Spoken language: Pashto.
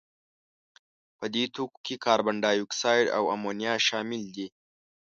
په دې توکو کې کاربن دای اکساید او امونیا شامل دي.